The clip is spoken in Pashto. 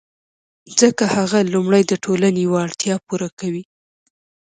ځکه هغه لومړی د ټولنې یوه اړتیا پوره کوي